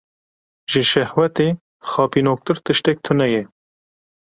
Ji şehwetê xapînoktir tiştek tune ye.